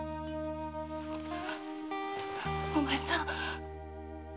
お前さん。